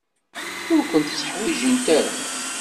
Ur kent-tteḥwijint ara.